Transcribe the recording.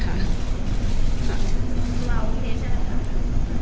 คุณลาโอเคใช่ไหมค่ะ